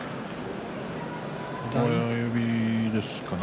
親指ですかね。